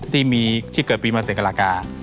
ที่เกิดปีมันเสียงกับหลากา